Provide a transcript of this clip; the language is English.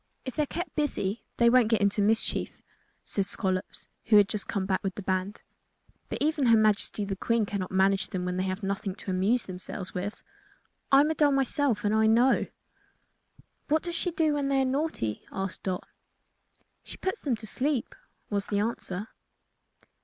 "If they are kept busy they won't get into mischief," said Scollops, who had come back with the band; "but even her Majesty the Queen cannot manage them when they have nothing to amuse themselves with. I'm a doll myself and I know." "What does she do when they are naughty?" asked Dot. "She puts them to sleep," was the answer.